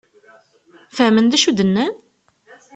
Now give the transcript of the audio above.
Fehmen d acu i d-nnan?